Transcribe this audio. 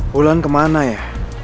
wulan kemana ya